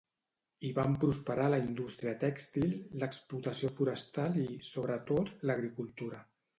Hi van prosperar la indústria tèxtil, l'explotació forestal i, sobretot, l'agricultura.